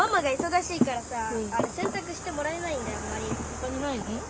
ほかにないの？